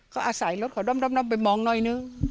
ก็อาศัยรถขอด้อมไปมองหน่อยนึง